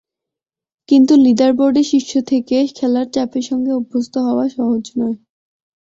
কিন্তু লিডারবোর্ডে শীর্ষে থেকে খেলার চাপের সঙ্গে অভ্যস্ত হওয়া সহজ নয়।